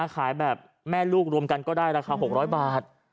ขายแบบแม่ลูกรวมกันก็ได้ราคา๖๐๐บาท